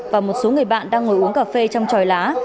và một số người bạn đang ngồi uống cà phê trong tròi lá